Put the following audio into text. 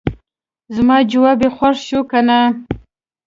زما جواب یې خوښ شو کنه.